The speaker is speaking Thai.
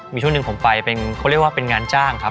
มีช่วงหนึ่งผมไปเป็นเขาเรียกว่าเป็นงานจ้างครับ